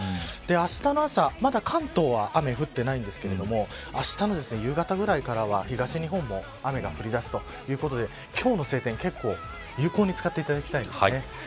あしたの朝、関東はまだ雨は降ってないんですがあしたの夕方ぐらいから東日本も雨が降り出すということで今日の晴天結構有効に使っていただきたいんですね。